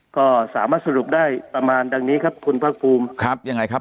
ก็สามารถสรุปได้ประมาณดังนี้ครับคุณภาคภูมิครับยังไงครับ